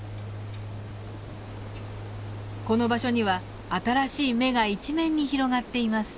この場所には新しい芽が一面に広がっています。